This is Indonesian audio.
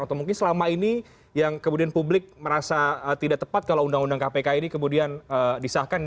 atau mungkin selama ini yang kemudian publik merasa tidak tepat kalau undang undang kpk ini kemudian disahkan